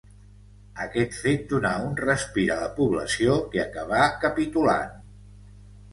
Aquest fet donà un respir a la població que acabà capitulant.